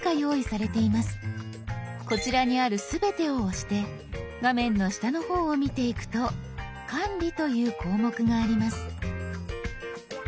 こちらにある「すべて」を押して画面の下の方を見ていくと「管理」という項目があります。